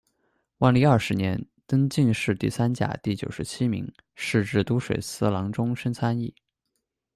万历二十年，登进士第三甲第九十七名，仕至都水司郎中升参议。